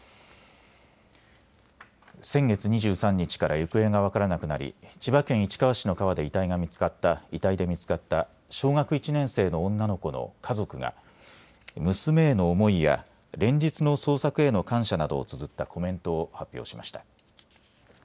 先月２３日から行方が分からなくなり千葉県市川市の川で遺体で見つかった小学１年生の女の子の家族が娘への思いや連日の捜索への感謝などをつづったコメントを発表しました。